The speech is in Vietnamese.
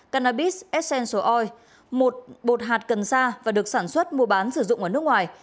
cannabis essential oil một bột hạt cần sa và được sản xuất mua bán sử dụng ở nước ngoài